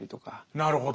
なるほど。